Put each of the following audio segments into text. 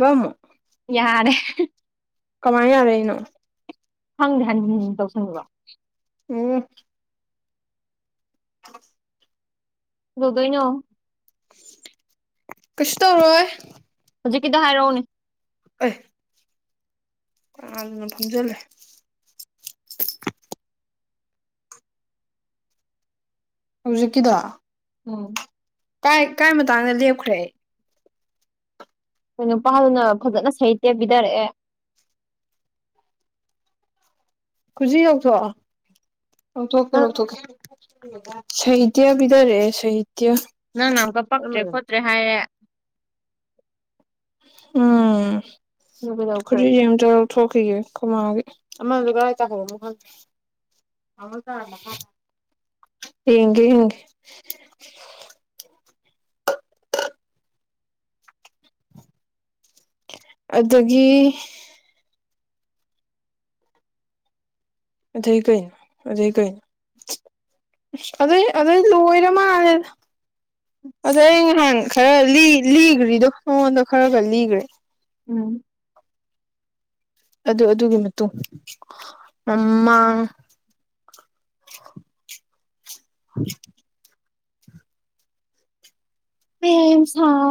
ꯋꯥꯃ ꯌꯥꯔꯦ ꯀꯃꯥꯏꯅ ꯌꯥꯔꯦ ꯑꯩꯅꯣ ꯍꯪꯅꯤ ꯍꯪ ꯇꯧꯁꯟꯅꯤꯡꯕ ꯑꯣ ꯍꯂ ꯑꯗꯨꯗꯅꯣ ꯀꯁ ꯇꯧꯔꯣꯦ ꯍꯧꯖꯤꯛꯀꯤꯗ ꯍꯥꯏꯔꯛꯎꯅꯦ ꯑ ꯑꯅ ꯊꯝꯖꯂꯦ ꯍꯧꯖꯤꯛꯀꯤꯗꯣ ꯎꯝ ꯀꯥꯏ ꯀꯥꯏ ꯃꯇꯥꯡꯗ ꯂꯦꯞꯈ꯭ꯔꯦ ꯀ ꯅꯨꯄꯥꯗꯨꯅ ꯐꯖꯅ ꯁꯍꯤ ꯇꯦꯕꯤꯊꯔꯛꯑꯦ ꯈꯨꯖꯤ ꯂꯧꯊꯣꯛꯑꯣ ꯂꯧꯊꯣꯛꯀꯦ ꯅꯪ ꯂꯧꯊꯣꯛꯀꯦ ꯁꯍꯤꯗꯕꯤꯗꯔꯦ ꯁꯍꯤꯗ ꯅꯪꯅ ꯑꯃꯨꯛꯀ ꯄꯛꯇ꯭ꯔꯦ ꯈꯣꯠꯇ꯭ꯔꯦ ꯍꯥꯏꯔꯦ ꯎꯝ ꯑꯗꯨ ꯀꯩꯗꯧꯈ꯭ꯔꯦ ꯈꯨꯖꯤ ꯌꯦ ꯑꯃꯇ ꯂꯧ ꯊꯣꯛꯈꯤꯒꯦ ꯈꯨꯃꯒꯤ ꯑꯃꯥꯖꯒꯔ ꯑꯇꯥ ꯍꯕ ꯌꯦꯒꯦ ꯍꯦ [unintelligible] ꯑꯗꯨꯗꯒꯤ ꯑꯗꯩ ꯀꯩꯅꯅ ꯑꯗꯩ ꯀꯩꯅꯅ ꯑꯗ ꯑꯗ ꯂꯣꯏꯔ ꯃꯥꯅꯦ ꯑꯗ ꯑꯩ ꯅꯍꯥꯟ ꯈꯔ ꯂꯤꯈ꯭ꯔꯤꯗꯣ ꯃꯉꯣꯟꯗꯣ ꯈꯔ ꯈꯔ ꯂꯤꯈ꯭ꯔꯦ ꯎꯝ ꯑꯗꯨ ꯑꯗꯨꯒꯤ ꯃꯇꯨꯡ ꯎꯝ ꯃꯃ ꯍ ꯑꯦꯦꯝꯁ ꯍꯥ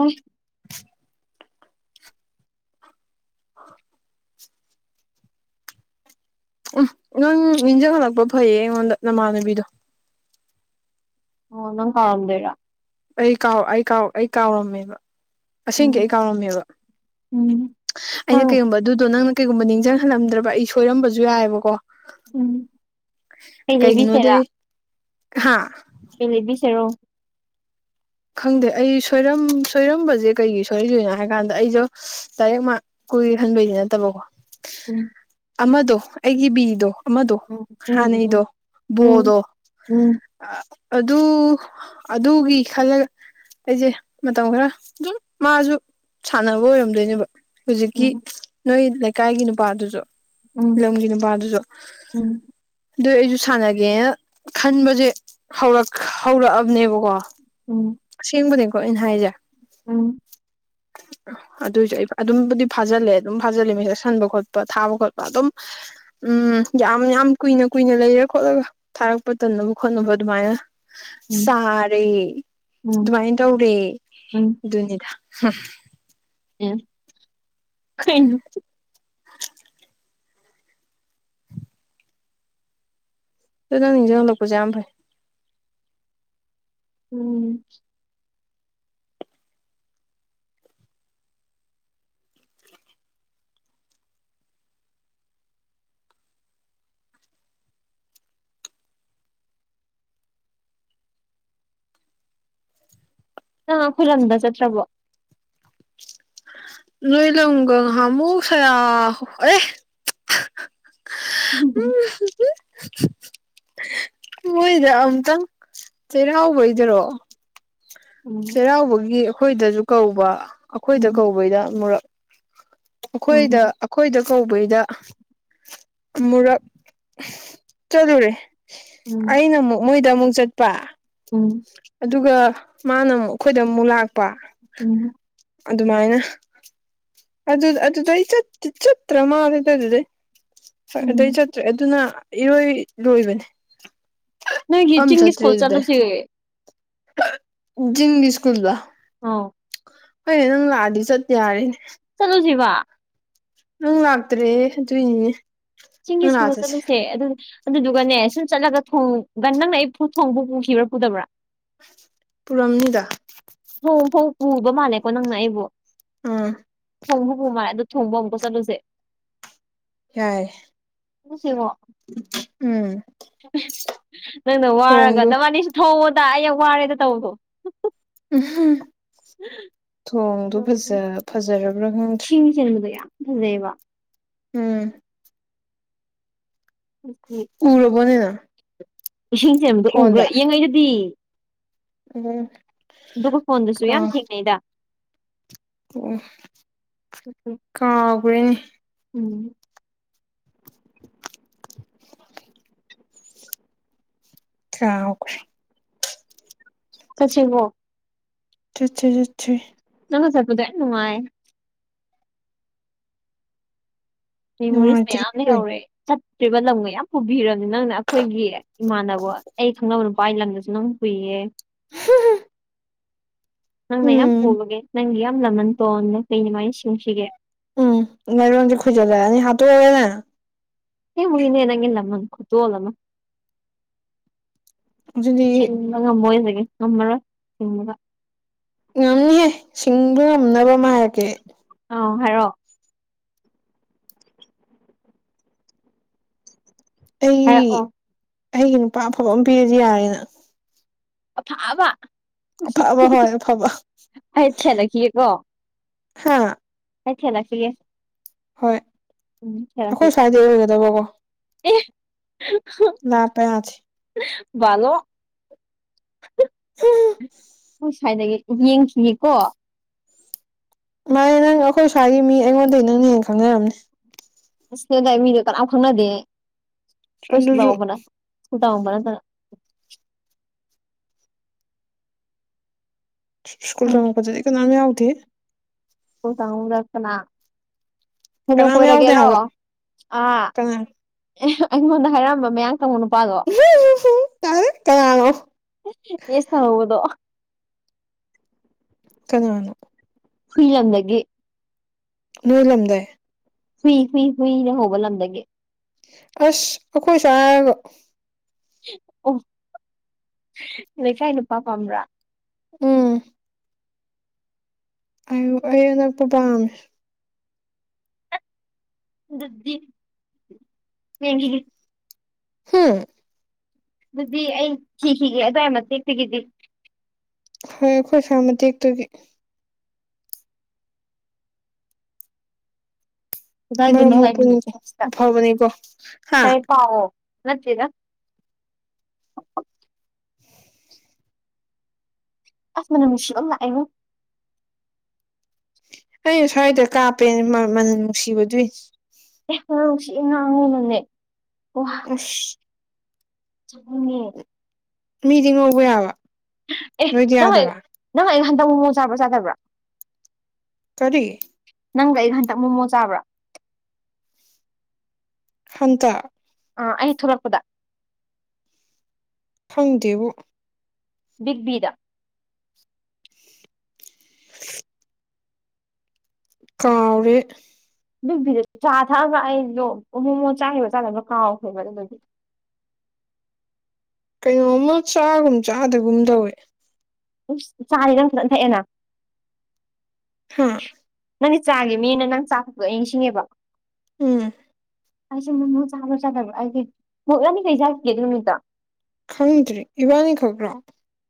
ꯎꯝ ꯅꯪ ꯅꯤꯡꯖꯍꯜꯂꯛꯄ ꯐꯩꯌꯦ ꯑꯩꯉꯣꯟꯗ ꯅꯃꯥꯟꯅꯕꯤꯗꯣ ꯑꯣ ꯅꯪ ꯀꯥꯥꯎꯝꯗꯦꯔ ꯑꯩ ꯀꯥꯎ ꯑꯩ ꯀꯥꯎ ꯑꯩ ꯀꯥꯎꯔꯝꯃꯦꯕ ꯎꯝ ꯑꯁꯦꯡꯒꯤ ꯑꯩ ꯀꯥꯎꯔꯝꯃꯦꯕ ꯎꯝ ꯑꯩꯅ ꯅꯪ ꯀꯩꯒꯨꯝꯕ ꯑꯗꯨꯗꯣ ꯅꯪꯅ ꯀꯩꯒꯨꯝꯕ ꯅꯤꯡꯁꯤꯡꯍꯜꯂꯝꯗ꯭ꯔꯕ ꯑꯩ ꯁꯣꯏꯔꯝꯕꯁꯨ ꯌꯥꯏꯑꯕꯀꯣ ꯎꯝ ꯀꯩ ꯂꯩꯕꯤꯁꯦꯔꯥ ꯍꯥꯥ ꯄ ꯂꯩꯕꯤꯁꯦꯔꯣ ꯈꯪꯗꯦ ꯑꯩ ꯁꯣꯏꯔ ꯁꯣꯏꯔꯝꯕꯁꯦ ꯀꯩꯒꯤ ꯁꯣꯏꯔꯤꯗꯣꯏꯅꯣ ꯍꯥꯏ ꯀꯥꯟꯗ ꯑꯩꯁꯨ ꯂꯥꯏꯏꯔꯤꯦꯛ ꯀꯨꯏꯍꯟꯕꯩꯗꯤ ꯅꯠꯇꯕꯀꯣ ꯎꯝ ꯑꯃꯗꯣ ꯑꯩꯒꯤ ꯕꯤꯗꯣ ꯑꯃꯗꯣ ꯎꯝ ꯎꯝ ꯍꯅꯩꯗꯣ ꯎꯝ ꯎꯝ ꯕꯣꯗꯣ ꯎꯝ ꯑ ꯑꯗꯨ ꯑꯗꯨꯒꯤ ꯈꯜꯂꯒ ꯑꯩꯁꯦ ꯃꯇꯝ ꯈꯔ ꯑꯗꯨꯝ ꯃꯥꯁꯨ ꯁꯥꯟꯅꯕ ꯑꯣꯏꯔꯝꯗꯣꯏꯅꯦꯕ ꯍꯧꯖꯤꯛꯀꯤ ꯎꯝ ꯅꯣꯏ ꯂꯩꯀꯥꯏꯒꯤ ꯅꯨꯄꯥꯗꯨꯁꯨ ꯎꯝ ꯂꯝꯒꯤ ꯅꯨꯄꯥꯗꯨꯁꯨ ꯎꯝ ꯎꯝ ꯑꯗꯨ ꯑꯩꯁꯨ ꯁꯥꯟꯅꯒꯦꯅ ꯈꯟꯕꯁꯦ ꯍꯧꯛ ꯍꯧꯔꯛꯑꯕꯅꯦꯕꯀꯣ ꯑꯁꯦꯡꯕꯅꯦꯀꯣ ꯑꯩꯅ ꯍꯥꯏꯖꯦ ꯎꯝ ꯑꯗꯨꯏꯁꯨ ꯑꯩ ꯑꯗꯨꯝꯕꯨꯗꯤ ꯐꯥꯖꯤꯜꯂꯦ ꯑꯗꯨꯝ ꯐꯥꯖꯤꯜꯂꯦ ꯃꯁꯛ ꯁꯟꯕ ꯈꯣꯠꯄ ꯊꯥꯕ ꯈꯣꯠꯄ ꯑꯗꯨꯝ ꯎꯝ ꯎꯝ ꯌꯥꯝ ꯌꯥꯝ ꯀꯨꯏꯅ ꯀꯨꯏꯅ ꯂꯩꯔ ꯈꯣꯠꯂꯒ ꯊꯥꯔꯛꯄ ꯇꯟꯅꯕ ꯈꯣꯠꯅꯕ ꯑꯗꯨꯃꯥꯏꯅ ꯆꯥꯔꯦ ꯎꯝ ꯎꯝ ꯑꯗꯨꯃꯥꯏꯅ ꯇꯧꯔꯦ ꯎꯝ ꯑꯗꯨꯅꯤꯗ ꯍꯥꯐ ꯀꯩꯅꯅ ꯑꯗꯨ ꯅꯪ ꯅꯤꯡꯖ ꯂꯧꯛꯄꯖꯥꯩ ꯎꯝ ꯑ ꯈꯨꯣꯏꯔꯂꯝꯗ ꯆꯠꯇ꯭ꯔꯕꯣ ꯂꯣꯏ ꯂꯒꯍꯃꯨ ꯁ ꯑꯦ ꯎꯝꯝ [inaudible] ꯃꯣꯏꯗ ꯑꯃꯝꯛꯇꯪ ꯆꯩꯔꯥꯎꯕ ꯑꯣꯏꯗꯔꯣ ꯆꯩꯔꯥꯎꯕꯒꯤ ꯑꯩꯈꯣꯏꯗꯁꯨ ꯀꯧꯕ ꯑꯩꯈꯣꯏꯗ ꯀꯧꯕꯩꯗ ꯃꯨꯔꯛ ꯑꯩꯈꯣꯏꯗ ꯑꯩꯈꯣꯏꯗ ꯀꯧꯕꯩꯗ ꯃꯨꯔꯛ ꯆꯠꯂꯨꯔꯦ ꯑꯩꯅ ꯑꯃꯨꯛ ꯃꯣꯏꯗ ꯑꯃꯨꯛ ꯆꯠꯄ ꯑꯗꯨꯒ ꯃꯥꯅ ꯑꯃꯨꯛ ꯑꯩꯈꯣꯏꯗ ꯑꯃꯨꯛ ꯂꯥꯛꯄ ꯎꯝ ꯑꯗꯨꯃꯥꯏꯅ ꯑꯗꯨ ꯑꯗꯨꯗ ꯑꯩ ꯆ ꯆꯠꯇ꯭ꯔ ꯃꯥꯜꯂꯦꯗ ꯑꯗꯨꯗꯤꯩ ꯐꯦ ꯑꯗꯨꯗꯩ ꯆꯠꯇ꯭ꯔꯦ ꯑꯗꯨꯅ ꯏꯔꯣꯏ ꯂꯣꯏꯕꯅꯦ ꯅ ꯌꯆꯤꯡꯒꯤ ꯁꯀꯨꯜ ꯆꯂꯨꯁꯤ ꯤꯟꯒꯤ ꯁ꯭ꯀꯨꯜꯗ ꯑ ꯍꯣꯏꯌꯦ ꯅꯪ ꯂꯥꯛꯑꯗꯤ ꯆꯠꯇꯦ ꯌꯥꯔꯦꯅꯦ ꯆꯂꯨꯁꯤ ꯋꯥ ꯅꯪ ꯂꯥꯛꯇꯔꯦ ꯇ ꯆꯤꯡꯒꯤ ꯁꯀꯨꯜ ꯆꯠꯂꯨꯁꯦ ꯑꯗꯨ ꯑꯗꯨꯗꯨꯒꯅꯦ ꯁꯨꯝ ꯆꯠꯂꯒ ꯊꯣꯡ ꯒꯟ ꯅꯪꯅ ꯑꯩ ꯊꯣꯡꯕ ꯄꯨꯈꯤꯕ꯭ꯔꯥ ꯄꯨꯗꯕ꯭ꯔꯥ ꯄꯨꯔꯝꯂꯤꯗ ꯣꯡ ꯐꯧ ꯄꯨꯕ ꯃꯥꯜꯂꯦꯀꯣ ꯅꯪꯅ ꯑꯩꯕꯨ ꯑꯥ ꯐꯣꯡ ꯐ ꯄꯨ ꯃꯥꯜꯂꯦ ꯑꯗꯨ ꯊꯣꯡꯕꯝꯕ ꯆꯠꯂꯨꯁꯦ ꯌꯥꯏ ꯄꯨꯁꯤꯣ ꯎꯝ ꯅꯪꯅ ꯋꯥꯔꯒ ꯊꯣꯡꯗꯣ ꯇꯕꯥꯅꯤꯁꯨ ꯊꯧꯕꯗ ꯑꯩ ꯋꯥꯔꯦꯗ ꯇꯧꯕꯗꯣ ꯊꯣꯡꯗꯨꯣ ꯑꯗꯣ, ꯎꯝ, ꯐꯖ ꯐꯖꯔꯕ꯭ꯔꯥ ꯈꯪꯗ꯭ꯔꯦ ꯑꯗꯨꯗꯕ ꯎꯝ ꯎ ꯎꯔꯕꯣꯅꯦ ꯅꯪ ꯏꯁꯤꯡꯁꯦ ꯑꯃꯝꯇ ꯎꯈ꯭ꯔꯥ ꯐꯣꯟꯗ ꯌꯦꯡꯉꯩꯗꯨꯗꯤ ꯎꯝ ꯑꯗꯨꯒ ꯐꯣꯟꯗꯨꯁꯨ ꯌꯥꯝ ꯊꯦꯡꯅꯩꯗ ꯑꯣ ꯀꯥꯎꯈꯣꯏꯅꯤ ꯎꯝ ꯑ ꯁꯆꯤꯡ ꯑꯣꯣ ꯠꯠ ꯆ ꯇꯗꯥꯏ ꯅꯅꯨꯡꯉꯥꯏ ꯅꯨꯡꯉꯥꯏꯇ꯭ꯔꯗꯤ ꯃꯦꯃꯣꯔꯤꯁꯅꯦꯌꯥꯝꯅꯦ ꯀꯩꯅꯣ ꯍꯧꯧꯔꯦꯠ ꯠꯇ꯭ꯔꯤꯕ ꯂꯝꯒ ꯌꯥꯝ ꯄꯨꯕꯤꯔꯕꯅꯤ ꯅꯪꯅ ꯑꯩꯈꯣꯏꯒꯤ ꯏꯃꯥꯟꯅꯕ ꯑꯩ ꯈꯪꯅꯕ ꯅꯨꯄꯥꯒꯤ ꯂꯝꯗꯁꯨ ꯅꯪ ꯀꯨꯏꯌꯦ ꯅꯪꯅ ꯌꯥꯝ ꯎꯝ ꯄꯨꯕꯒꯦ ꯅꯪꯒꯤ ꯌꯥꯝ ꯂꯃꯟ ꯇꯣꯟꯅ ꯀꯩꯅꯃꯥꯏꯅ ꯁꯤꯡꯁꯤꯒꯦ ꯎꯝ ꯉꯔꯃꯦ ꯈꯨꯖꯦꯗ ꯍꯥꯇ ꯑꯣꯏꯔꯦꯅ ꯍꯦ ꯃꯣꯏꯅ ꯌꯦꯅꯒ ꯂꯝꯃꯟ ꯈꯇꯨ ꯂꯃ ꯑꯗꯨꯗꯤ ꯁꯤꯡꯕ ꯉꯃꯣꯏ ꯍꯧꯖꯒꯦ ꯉꯝꯃꯔꯣꯏ ꯁꯤꯡꯕꯒ ꯉꯝꯅꯤꯍꯦ ꯁꯤꯡꯕ ꯉꯝꯅꯕ ꯑꯃ ꯍꯥꯏꯔꯛꯒꯦ ꯑꯥꯎ ꯍꯥꯏꯔꯣꯑꯣ ꯑꯩ ꯍꯥꯏꯔꯛꯑꯣ ꯑꯩꯒꯤ ꯅꯨꯄꯥ ꯑꯐꯕ ꯑꯃ ꯄꯤꯔꯗꯤ ꯌꯥꯔꯦꯅ ꯑꯐꯕ ꯑꯐꯕ ꯍꯣꯏ ꯑꯐꯕ ꯑꯩ ꯁꯦꯟꯅꯈꯤꯑꯀꯣ ꯍꯥ ꯍꯆꯂ ꯁꯤꯒꯦ ꯍꯣꯏ ꯑꯩꯈꯣꯏ ꯁ꯭ꯋꯥꯏꯗ ꯑꯣꯏꯒꯗꯕꯀꯣ ꯂꯥꯞꯄ ꯌꯥꯗꯦ ꯂꯣ ꯑꯩ ꯁꯥꯏꯅ ꯌꯦꯡꯈꯤꯌꯦꯀꯣ ꯃꯥꯅꯦ ꯅꯪ ꯑꯩꯈꯣꯏ ꯁ꯭ꯋꯥꯏꯒꯤ ꯃꯤ ꯑꯩꯉꯣꯟꯗꯒꯤ ꯅꯪꯅ ꯍ ꯈꯪꯅꯔꯝꯅꯤ ꯃꯤ ꯂꯈꯪꯅꯗꯤ ꯆꯗꯁꯨ ꯎꯗꯕꯅ ꯁ꯭ꯀꯨꯜ ꯇꯝ ꯄꯊ ꯀꯣ ꯅ ꯑꯊꯤ ꯈꯨ ꯀꯥꯡꯨꯗꯛꯇꯅꯥ ꯀꯩꯅꯣ ꯀꯅꯥꯝ ꯌꯥꯎꯗꯦ ꯀꯣꯏꯔꯒꯦꯔꯣ ꯍꯥꯏꯕ ꯑ ꯀꯅꯥ ꯑꯩꯉꯣꯟꯗ ꯍꯥꯏꯔꯝꯕ ꯃꯌꯥꯝ ꯃꯅ ꯄꯥꯒ ꯇꯥꯔꯦ ꯀꯅꯥꯅꯣ ꯌꯦꯁꯗꯣ ꯀꯔꯤ ꯋꯥꯅ ꯐꯂꯗꯒ ꯃꯂꯝꯝꯗꯏ ꯐꯨꯏ ꯍꯨꯏ ꯍꯨꯏꯅ ꯍꯧꯕꯂꯝꯗꯒꯦ ꯑꯁ ꯑꯈꯨꯁꯥꯒ ꯎ ꯂꯩ ꯀꯥꯏ ꯅꯨꯄꯥ ꯄ ꯑꯃꯥ ꯎꯝ ꯑꯨ ꯑꯩꯌ ꯑꯅꯛꯄ ꯄꯥꯝꯃꯦ ꯑꯗꯨꯗꯤ ꯄꯒꯤ ꯍꯝ ꯑꯗꯨꯗꯤ ꯑꯩ ꯁꯤꯤꯈꯤꯒꯦ ꯑꯗꯨꯋꯥꯏ ꯃꯇꯦꯛꯇꯒꯤꯗꯤ ꯍꯣꯏ ꯑꯩꯈꯣꯏ ꯁꯥꯥꯃꯦꯛꯇꯒꯤ ꯃꯔꯝ ꯀꯗꯥꯥꯏꯗꯣꯏꯅꯣ ꯍꯥꯏ ꯃꯣꯛꯄꯅꯤꯀꯣ ꯑꯐꯕꯅꯤꯀꯣ ꯍꯥ ꯇꯥꯏ ꯄꯥꯎꯑꯣ ꯅꯠꯇꯦꯔ ꯎꯝ ꯑꯁꯃꯅꯁꯤꯥ ꯑꯌ ꯑꯩꯅ ꯁ꯭ꯋꯥꯏꯗ ꯀꯥꯞꯄꯦ ꯃꯃꯜ ꯅꯨꯡꯁꯤꯕꯗꯨꯏ ꯅꯨꯡꯁꯤ ꯉꯥꯡꯉꯤꯅꯅꯦ ꯎꯁ [inaudible] ꯉꯦ ꯃꯤꯗꯤꯡ ꯎꯧꯕ ꯌꯥꯕ ꯑꯦ ꯅꯣꯏꯗꯤ ꯅꯪ ꯌꯥꯗꯕ ꯅꯪ ꯍꯟꯗꯛ ꯃꯑꯣꯡ ꯆꯥꯕ꯭ꯔꯥ ꯆꯥꯗꯕ꯭ꯔꯥ ꯀꯔꯤ ꯅꯪꯒ ꯑꯩ ꯍꯟꯇꯛ ꯃꯣꯃꯣ ꯆꯥꯕ꯭ꯔꯥ ꯍꯪꯀ ꯑꯥ ꯑꯩ ꯊꯣꯛꯂꯛꯄꯗ ꯈꯪꯗꯦꯕꯨ ꯕꯤꯛꯕꯤꯗꯥ ꯀꯔ ꯑꯗꯨꯚꯤꯗ ꯆꯥ ꯊꯛꯑꯕ꯭ꯔ ꯑꯩꯗꯣ ꯃꯣꯃꯣ ꯆꯥꯈꯤꯕ ꯆꯥꯗꯕ꯭ꯔ ꯀꯥꯎꯈ꯭ꯔꯦꯕ ꯑꯗꯨ ꯑꯗꯨꯗꯤ [inaudible] ꯀꯩꯅꯣꯝꯃ ꯆꯥꯒꯨꯝ ꯆꯥꯗꯒꯨꯝ ꯇꯧꯋꯦ ꯆꯥꯔꯤ ꯅꯪ ꯈꯇ ꯊꯛꯑꯦꯅ ꯍꯥꯥ ꯅꯪꯒꯤ ꯆꯥꯒꯤ ꯃꯤꯅ ꯅꯪ ꯆꯥꯛꯄꯄ ꯑꯩ ꯅꯤꯡꯁꯤꯡꯉꯦꯕ ꯎꯝ ꯑꯩꯁꯨ ꯃ ꯆꯥꯕ ꯆꯥ ꯑꯩ ꯌꯥꯅꯤ ꯀꯩ ꯆꯠꯈꯤꯒꯦꯗ ꯅꯨꯃꯤꯠꯇ ꯈꯪꯗ꯭ꯔꯤ ꯏꯕꯥꯅꯤ ꯈꯕ꯭ꯔꯣ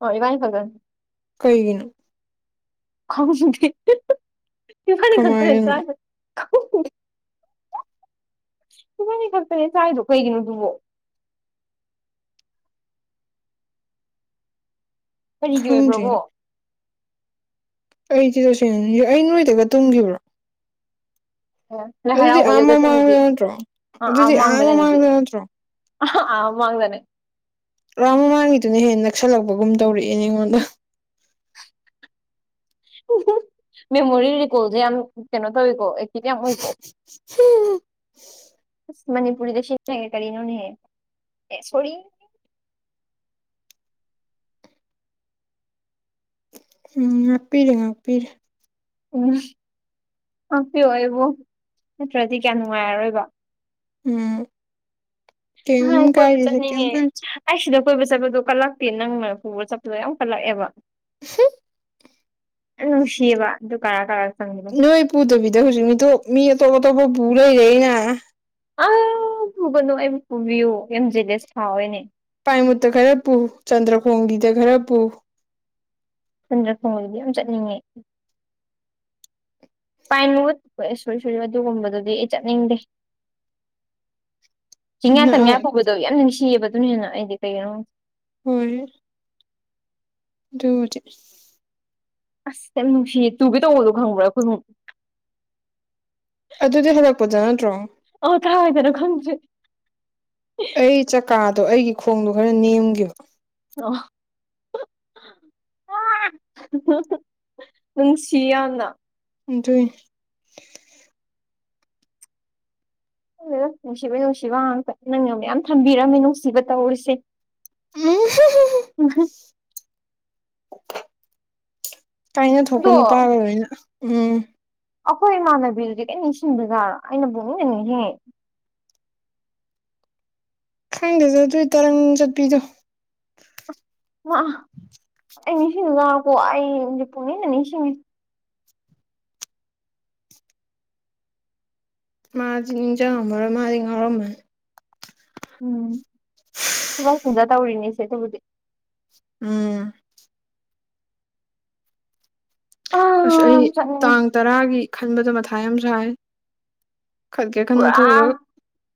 ꯍꯣꯏ ꯏꯃꯅꯤ ꯐꯖꯅ ꯀꯩꯒꯤꯅꯨ ꯈ ꯐꯅꯤ ꯈꯗ [inaudible] ꯀꯃꯥꯏꯅꯅꯣ ꯏꯃꯥꯏꯅꯤ ꯈꯛꯇꯅꯦ ꯆꯥꯏꯗꯣ ꯀꯩꯒꯤꯅꯣꯗꯨꯕꯣ ꯀꯔꯤꯒꯤ ꯑꯣꯏꯕ꯭ꯔꯕꯣ ꯈꯪꯗ꯭ꯔꯤꯅꯣ ꯑꯩꯗꯤ ꯇꯁꯦꯡꯅ ꯑꯩ ꯅꯣꯏꯗꯒ ꯇꯨꯝꯈꯤꯕ꯭ꯔꯣ ꯂꯥꯏ ꯑꯗꯨꯗꯤ ꯍꯔꯥꯎꯕ ꯑꯥ ꯃꯃꯥꯡꯗ ꯌꯗꯠꯇꯃꯤꯗꯤ ꯅꯠꯇ꯭ꯔꯣ ꯑꯥ ꯑꯥ ꯑꯗꯨꯗꯤ ꯃꯥꯡꯗꯅꯦ ꯑꯗꯨꯗꯤ ꯃꯃꯥꯡꯗ ꯅꯠꯇ꯭ꯔꯣ ꯃꯥꯡꯗꯅꯦ ꯔꯥꯎ ꯃꯃꯥꯡꯒꯤꯗꯨꯅ ꯍꯦꯟꯅ ꯅꯛꯁꯜꯂꯛꯄꯒꯨꯝ ꯇꯧꯔꯛꯑꯦ ꯑꯩꯉꯣꯟꯗ [inaudible] ꯃꯦꯃꯣꯔꯤ ꯔꯤꯀꯣꯜꯁꯦ ꯌꯥꯝ ꯀꯩꯅꯣ ꯇꯧꯋꯤꯀꯣ ꯑꯦꯆꯤꯠ ꯌꯥꯝ ꯑꯣꯏꯀꯣ ꯍꯝ ꯃꯅꯤꯄꯨꯔꯤꯗ ꯀꯅꯣꯅꯦ ꯁꯣꯔꯤ [inaudible] ꯎꯝ ꯉꯥꯛꯄꯤꯔꯦ ꯉꯥꯛꯄꯤꯔꯦ ꯎꯝ ꯉꯥꯛꯄꯤꯌꯑꯣ ꯑꯩꯕꯨꯣ ꯅꯠꯇ꯭ꯔꯗꯤ ꯀꯌꯥꯝ ꯅꯨꯡꯉꯥꯏꯔꯣꯏꯕ ꯎꯝ ꯀꯩꯝ ꯑꯣꯏ ꯀꯥꯏꯗꯦꯁꯦ ꯀꯩꯝ ꯆꯉ ꯀꯥꯏꯗꯦ ꯑꯁꯗ ꯑ ꯀꯣꯏꯕ ꯆꯠꯄꯗꯣ ꯀꯜꯂꯛꯇꯦ ꯅꯪꯅ ꯄꯨꯕ ꯆꯠꯄꯗꯣ ꯌꯥꯝ ꯀꯜꯂꯛꯑꯦꯕ [inaudible] ꯌꯥꯝ ꯅꯨꯡꯁꯤꯌꯦꯕ ꯑꯗꯨ ꯀꯔꯥ ꯀꯔꯥ ꯆꯪꯕꯗꯣ ꯅꯣꯏ ꯄ ꯄꯨꯗꯕꯤꯗ ꯍꯧꯁꯤ ꯃꯤ ꯃꯤ ꯑ ꯕꯨ ꯕꯨꯂ ꯂꯩꯦꯅ ꯑ ꯄꯨꯒꯅꯨ ꯑꯩ ꯄꯨꯕꯤꯌꯨ ꯑꯦꯝ ꯖꯦꯂꯦꯁ ꯊꯥꯎꯑꯣꯅꯦ ꯄꯥꯏꯃꯨꯠꯇ ꯈꯔ ꯄꯨ ꯆꯟꯗ꯭ꯔꯈꯣꯡꯒꯤꯗ ꯈꯔ ꯄꯨ ꯁꯟꯗ꯭ꯔ ꯈꯣꯡꯕꯗꯤ ꯌꯥꯝ ꯆꯠꯅꯤꯡꯉꯦ ꯄꯥꯏꯟꯋꯨꯠ ꯍꯣꯏ ꯁꯣꯏ ꯁꯨꯔꯤ ꯑꯗꯨꯒꯨꯝꯕꯗꯨꯗꯤ ꯑꯩ ꯆꯠꯅꯤꯡꯗꯦ ꯆꯤꯡꯌꯥ ꯇꯝꯌꯥ ꯄꯨꯕꯗꯣ ꯌꯥꯝ ꯅꯨꯡꯁꯤꯌꯦꯕ ꯑꯗꯨꯅꯤꯅ ꯑꯩꯗꯤ ꯀꯩꯒꯤꯅꯣ ꯍꯣꯏ ꯑꯗꯨꯗꯤ ꯑꯁ ꯌꯥꯝ ꯅꯨꯡꯁꯤꯌꯦ ꯇꯨꯒꯦ ꯇꯧꯕꯗꯣ ꯈꯪꯕ꯭ꯔꯥ ꯈꯨꯅꯨꯡ ꯑꯗꯨꯗꯤ ꯍꯜꯂꯛꯄꯗ ꯅꯠꯇ꯭ꯔꯣ ꯑ ꯀꯥꯏꯗꯅꯣ ꯈꯪꯖꯦ ꯑꯩ ꯆꯀꯥꯗꯣ ꯑꯩꯒꯤ ꯈꯣꯡꯗꯣ ꯈꯔ ꯅꯦꯝꯈꯤꯕꯕ ꯑ ꯑꯗꯨꯪ ꯆꯌꯥꯅ ꯑꯗꯨ ꯑꯗꯨ ꯅꯨꯡꯁꯤꯕ ꯅꯨꯡꯁꯤꯕ ꯉꯥꯛꯇ ꯅꯪꯅ ꯃꯌꯥꯝ ꯊꯝꯕꯤꯔꯝꯃꯦ ꯅꯨꯡꯁꯤꯕ ꯇꯧꯔꯤꯁꯦ ꯎꯝ ꯏꯍ ꯀꯥꯏꯅ ꯊꯣꯛꯀ ꯑꯗꯣ ꯅꯨꯄꯥꯥꯣꯏ ꯑꯣꯏꯅ ꯎꯝ ꯑꯩꯈꯣꯏ ꯏꯃꯥꯟꯅꯕꯤꯗꯨꯗꯤ ꯀꯔꯤ ꯅꯤꯡꯁꯤꯡꯕꯖꯥꯔ ꯑꯩꯅ ꯄꯨꯅꯤꯡꯗꯅꯤꯍꯦ ꯈꯪꯗꯦꯁꯦ ꯇꯨ ꯇꯔꯪ ꯆꯠꯄꯤꯗꯨꯣ ꯃꯥ ꯑꯩ ꯅꯤꯡꯁꯤꯡꯗꯨꯗꯀꯣ ꯑꯩꯁꯦ ꯄꯨꯨꯡꯅꯤꯡ ꯅꯤꯡꯁꯤꯡꯉꯤ ꯃꯥꯗꯤ ꯅꯤꯡꯖꯤꯡ ꯉꯥꯃꯔꯣꯏ ꯃꯥꯗꯤ ꯉꯥꯎꯔꯝꯃꯅꯤ ꯎꯝ ꯊꯕꯛ ꯆꯤꯟꯖꯥ ꯇꯧꯔꯤꯅꯤꯁꯦ ꯑꯗꯨꯕꯨꯗꯤ ꯎꯝ ꯑ ꯑꯁ ꯑꯩ ꯆꯠꯅꯤꯡꯉꯦ ꯇꯥꯡ ꯇꯔꯥꯒꯤ ꯈꯟꯕꯗ ꯃꯊꯥꯏ ꯌꯥꯝ ꯁꯥꯏ ꯈꯠꯀꯦ ꯈꯟꯅ ꯄꯨꯔꯥ ꯊꯣꯛꯎꯔꯒ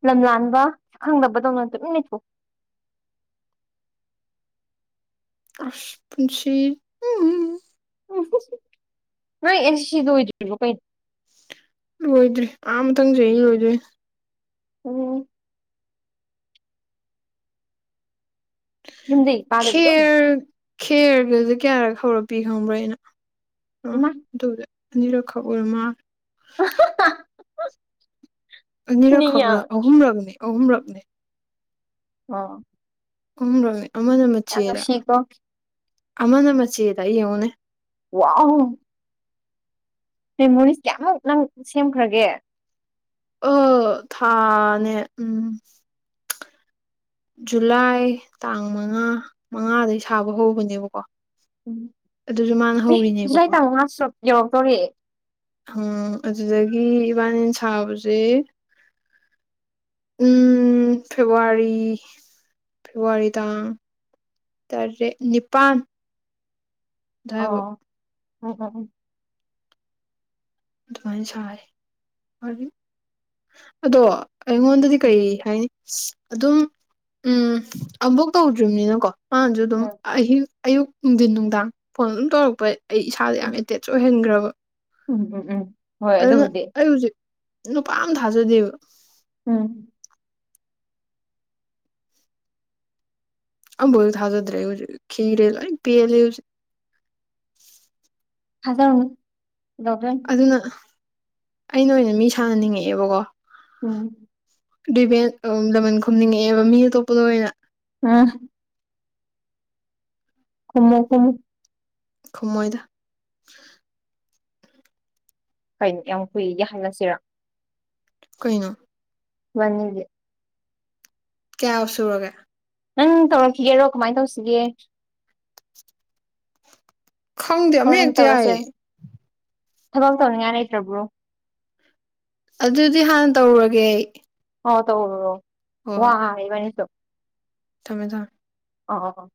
ꯂꯝ ꯂꯥꯟꯕ ꯁꯛꯈꯪꯗꯕꯗꯧꯅ ꯇꯨꯃꯤꯟ ꯂꯩꯊꯣꯛ ꯑꯣ ꯑꯁ ꯄꯨꯟꯁꯤ ꯎꯝ ꯅꯣꯏ NCC ꯂꯣꯏꯗꯔ꯭ꯦꯕꯣ ꯀꯩꯅꯣ ꯂꯣꯏꯗ꯭ꯔꯤ ꯑꯥ ꯃꯊꯪ ꯆꯍꯤ ꯂꯣꯏꯗꯨꯏꯅꯤ ꯎꯝ ꯌꯨꯝꯗꯩꯩ [unintelligible] ꯈꯦꯔ ꯈꯦꯔꯒꯁꯦ ꯀꯌꯥꯔ ꯍꯧꯔꯛꯄꯤ ꯈꯪꯕ꯭ꯔ ꯑꯩꯅ ꯑꯥ ꯏꯃꯥ ꯑꯗꯨꯗ ꯑꯅꯤꯔꯛ ꯈꯥꯛ ꯑꯣꯏꯔꯥ ꯃꯟꯂꯦ ꯑꯅꯤꯔꯛ ꯅꯤꯡ ꯈꯛꯅ ꯌꯥꯝ ꯑꯍꯨꯝꯂꯛꯅꯤ ꯑꯍꯨꯝꯂꯛꯅꯦ ꯑꯥ ꯎꯨꯝꯔꯣꯅꯦ ꯑꯃꯅ ꯃꯆꯦꯗ ꯑꯃꯅ ꯃꯆꯦꯗ ꯌꯦꯡꯉꯨꯅꯦ ꯋꯥꯎ ꯃꯦꯃꯣꯔꯤꯁ ꯀꯌꯥꯃꯨꯛ ꯅꯪ ꯁꯦꯝꯈ꯭ꯔꯒꯦ ꯑ ꯊꯅꯦ ꯎꯝ ꯖꯨꯂꯥꯏ ꯇꯥꯡ ꯃꯉꯥ ꯃꯉꯥꯗꯒꯤ ꯁꯥꯕ ꯍꯧꯕꯅꯦꯕꯀꯣ ꯑꯗꯨꯁꯨ ꯃꯥꯅ [unintelligible] ꯖꯨꯂꯥꯏ ꯍꯧꯔꯤꯅꯦꯕꯀꯣ ꯇꯥꯡ ꯃꯉꯥ ꯌꯧꯔꯛꯇꯣꯔꯦ ꯎꯝ ꯑꯗꯨꯗꯒꯤ ꯏꯕꯥꯅꯤ ꯁꯥꯕꯁꯦ ꯎꯝ ꯐꯦꯕꯨꯋꯥꯔꯤ ꯐꯦꯕꯋꯥꯔꯤ ꯇꯥꯡ ꯇꯔꯦꯠ ꯅꯤꯄꯥꯟ ꯑꯣ [unintelligible] ꯑꯗꯨꯃꯥꯏꯅ ꯁꯥꯏ ꯑꯗꯣ ꯑꯩꯉꯣꯟꯗꯗꯤ ꯎꯝ ꯀꯩ ꯍꯥꯏꯅꯤ ꯑꯗꯨꯝ ꯎꯝ ꯑꯕꯣꯛ ꯇꯧꯗ꯭ꯔꯤꯕꯅꯤꯅꯀꯣ ꯃꯥꯥꯟꯁꯨ ꯑꯗꯨꯝ ꯎꯝ ꯑꯤꯡ ꯑꯌꯨꯛ ꯅꯨꯡꯊꯤꯟ ꯅꯨꯡꯗꯥꯡ ꯐꯣꯟ ꯑꯗꯨꯝ ꯇꯧꯔꯛꯄ ꯑꯩ ꯏꯁꯥꯗ ꯎꯝ ꯎꯝ ꯌꯥꯝ ꯑꯦꯇꯦꯆ ꯑꯣꯏꯍꯟꯈ꯭ꯔꯕ ꯎꯝ ꯎꯝ ꯎꯝ ꯍꯣꯏ ꯑꯗꯨꯅ ꯑꯗꯨꯕꯨꯗꯤ ꯑꯩ ꯍꯧꯖꯤꯛ ꯅꯨꯄꯥ ꯑꯃ ꯊꯥꯖꯗꯦꯕ ꯎꯝ ꯑꯕꯨꯣꯏ ꯊꯥꯖꯗ꯭ꯔꯦ ꯍꯧꯖꯤꯛ ꯈꯤꯔꯦ ꯂꯣꯏ ꯄꯤꯜꯂꯤ ꯍꯧꯖꯤꯛ ꯊꯖꯥꯅꯤ ꯑꯗꯨꯅ ꯑꯩꯅ ꯑꯣꯏꯅ ꯃꯤ ꯁꯥꯟꯅꯅꯤꯡꯉꯛꯑꯦꯕꯀꯣ ꯎꯝ ꯔꯦꯕꯦꯟꯖ ꯂꯃꯟ ꯈꯨꯝꯝꯅꯤꯡꯉꯛꯑꯦꯕ ꯃꯤ ꯑꯇꯣꯞꯄꯗ ꯑꯣꯏꯅ ꯑꯥ ꯈꯨꯃꯣ ꯈꯨꯃꯣ ꯈꯃꯣꯏꯗ [unintelligible] ꯌꯥꯝ ꯀꯨꯏꯒꯤ [unintelligible] ꯀꯩꯅꯦ ꯃꯅꯤꯒꯤ ꯀꯌꯥ ꯁꯨꯔꯒꯦ ꯅꯪ ꯇꯧꯔꯛꯈꯤꯒꯦꯔꯣ ꯀꯃꯥꯏꯅ ꯇꯧꯁꯤꯒꯦ ꯈꯪꯗꯦ ꯑꯃꯥ ꯍꯣꯔꯦꯟ ꯍꯦꯛꯇꯥ ꯇꯧꯔꯁꯦ ꯌꯥꯏꯌꯦ ꯊꯕꯛ ꯇꯧꯅꯤꯡꯉꯥꯏ ꯂꯩꯇ꯭ꯔꯕ꯭ꯔꯣ ꯑꯗꯨꯗꯤ ꯍꯥꯟꯅ ꯇꯧꯔꯒꯦ ꯑꯩ ꯑꯥ ꯇꯧꯔꯨꯔꯣ ꯍꯣꯏ ꯍꯣꯏ ꯋꯥꯔꯦ ꯏꯕꯅꯤꯁꯨ ꯊꯝꯃꯦ ꯊꯥꯝꯃꯦ ꯑ